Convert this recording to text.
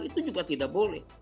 itu juga tidak boleh